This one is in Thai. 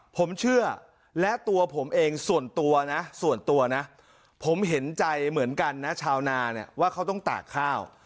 ผมเชื่อและตัวผมเองส่วนตัวนะส่วนตัวนะผมเห็นใจเหมือนกันนะชาวนาเนี่ยว่าเขาต้องตากข้าว